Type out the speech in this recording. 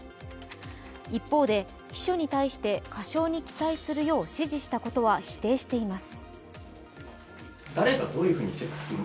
一方で秘書に対して過少に記載するよう指示したことは否定しています。